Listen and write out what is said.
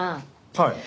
はい。